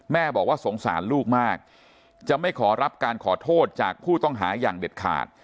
แม่บอกว่าสงสารลูกมากจะไม่ขอรับการขอโทษจากผู้ต้องหาอย่างเด็ดขาด